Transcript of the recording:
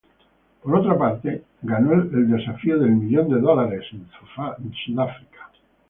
Por otra parte, ganó el Desafío del Millón de Dólares en Sudáfrica.